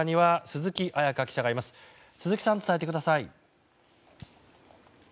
鈴木さん、伝えてください。